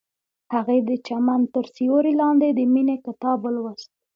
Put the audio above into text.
هغې د چمن تر سیوري لاندې د مینې کتاب ولوست.